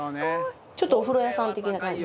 ちょっとお風呂屋さん的な感じも。